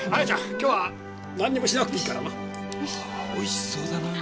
今日はなんにもしなくていいからな。ああおいしそうだなぁ。